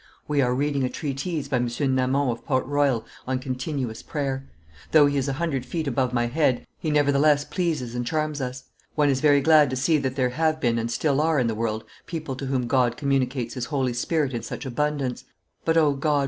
"We are reading a treatise by M. Namon of Port Royal on continuous prayer; though he is a hundred feet above my head, he nevertheless pleases and charms us. One is very glad to see that there have been and still are in the world people to whom God communicates His Holy Spirit in such abundance; but, O God!